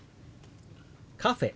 「カフェ」。